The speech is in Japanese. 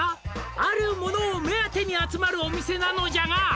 「あるものを目当てに集まるお店なのじゃが」